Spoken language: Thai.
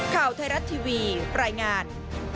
ข่าวไทยรัฐทีวีรายงาน